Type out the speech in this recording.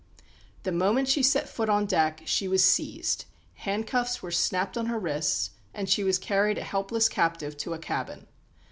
The moment she set foot on deck she was seized, handcuffs were snapped on her wrists, and she was carried a helpless captive to a cabin.